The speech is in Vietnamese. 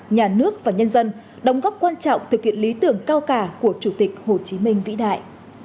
nhà nước và nhân dân đóng góp quan trọng thực hiện lý tưởng cao cả của chủ tịch hồ chí minh vĩ đại